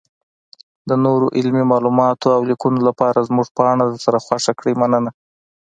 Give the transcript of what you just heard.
-دنورو علمي معلوماتو اولیکنو لپاره زمونږ پاڼه درسره خوښه کړئ مننه.